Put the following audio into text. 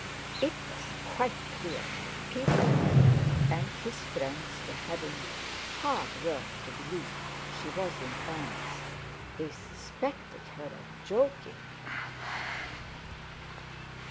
It was quite clear that Peter and his friends were having hard work to believe she was in earnest. They suspected her of joking.